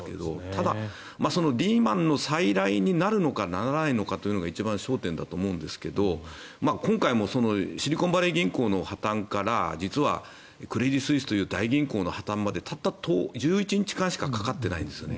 ただ、リーマンの再来になるのかならないのかというのが一番焦点だと思うんですが今回もシリコンバレー銀行の破たんから実は、クレディ・スイスという大銀行の破たんまでたった１１日間しかかかってないんですよね。